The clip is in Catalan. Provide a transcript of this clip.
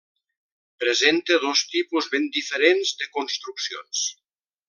Presenta dos tipus ben diferents de construccions.